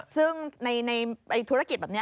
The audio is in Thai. ซึ่งในธุรกิจแบบนี้